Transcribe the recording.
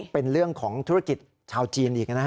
เป็นเรื่องของธุรกิจชาวจีนอีกนะฮะ